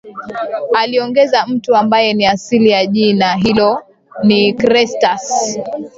Aliongeza Mtu ambaye ni asili ya jina hilo ni Chrestus